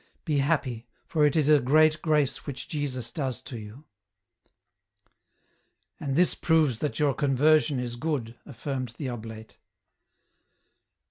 Be happy, for it is a great grace which Jesus does to you." " And this proves that your conversion is good," afimned the oblate.